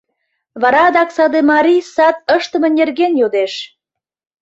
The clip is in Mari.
Вара адак саде марий сад ыштыме нерген йодеш.